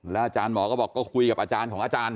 อาจารย์หมอก็บอกก็คุยกับอาจารย์ของอาจารย์